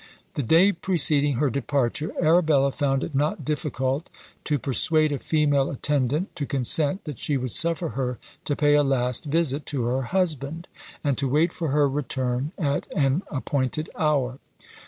The day preceding her departure, Arabella found it not difficult to persuade a female attendant to consent that she would suffer her to pay a last visit to her husband, and to wait for her return at an appointed hour.